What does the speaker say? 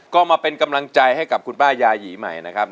ก็มาเป็นกำลังใจให้กับคุณป้ายาหยีใหม่นะครับ